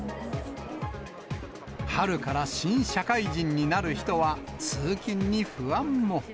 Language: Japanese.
春から新社会人になる人は、通勤に不安も。